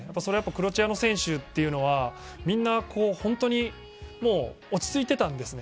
クロアチアの選手はみんな本当に落ち着いていたんですね。